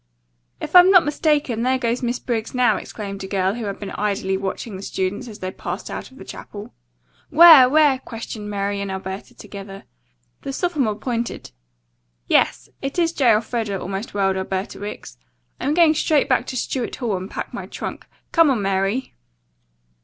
"If I'm not mistaken, there goes Miss Briggs now!" exclaimed a girl who had been idly watching the students as they passed out of the chapel. "Where? Where?" questioned Mary and Alberta together. The sophomore pointed. "Yes; it is J. Elfreda," almost wailed Alberta Wicks. "I'm going straight back to Stuart Hall and pack my trunk. Come on, Mary."